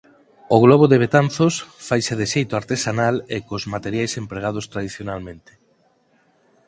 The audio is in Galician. O Globo de Betanzos faise de xeito artesanal e cos materiais empregados tradicionalmente.